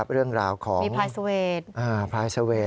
เรื่องราวของพลายสเวศนะครับพลายสเวศ